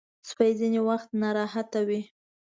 سپي ځینې وخت ناراحته وي.